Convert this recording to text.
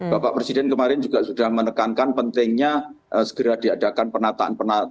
bapak presiden kemarin juga sudah menekankan pentingnya segera diadakan penataan penataan